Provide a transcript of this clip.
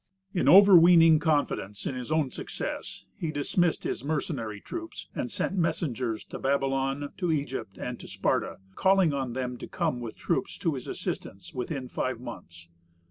In overweening confidence in his own success, he dismissed his mercenary troops, and sent messengers to Babylon, to Egypt, and to Sparta, calling on them to come with troops to his assistance within five months.